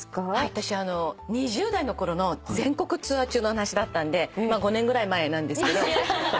私２０代のころの全国ツアー中の話だったんでまあ５年ぐらい前なんですけど。